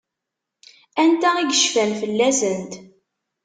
Anta i yecfan fell-asent?